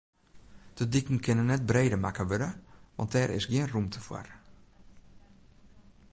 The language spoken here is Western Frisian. De diken kinne net breder makke wurde, want dêr is gjin rûmte foar.